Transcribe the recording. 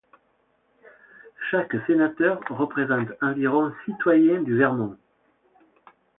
Chaque sénateur représente environ citoyens du Vermont.